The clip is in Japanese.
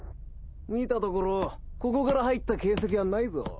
・見たところここから入った形跡はないぞ。